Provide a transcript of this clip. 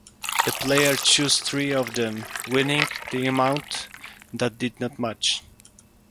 The player chose three of them, winning the amount that did not match.